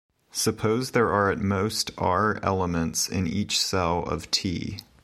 Suppose there are at most "R" elements in each cell of "T".